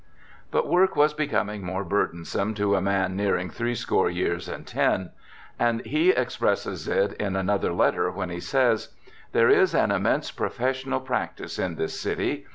But work was becoming more burdensome to a man nearing threescore years and ten, and he expresses it in another letter when he says :' There is an immense professional practice in this city.